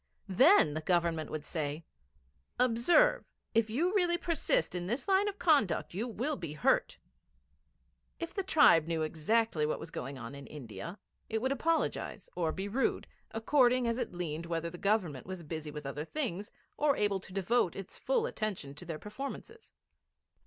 Then the Government would say: 'Observe; if you really persist in this line of conduct you will be hurt.' If the tribe knew exactly what was going on in India, it would apologise or be rude, according as it learned whether the Government was busy with other things, or able to devote its full attention to their performances.